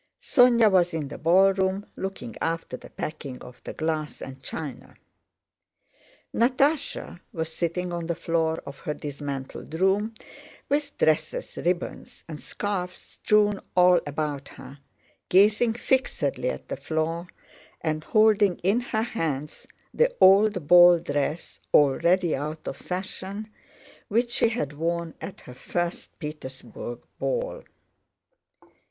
Sónya was in the ballroom looking after the packing of the glass and china. Natásha was sitting on the floor of her dismantled room with dresses, ribbons, and scarves strewn all about her, gazing fixedly at the floor and holding in her hands the old ball dress (already out of fashion) which she had worn at her first Petersburg ball.